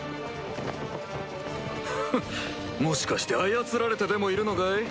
フッもしかして操られてでもいるのかい？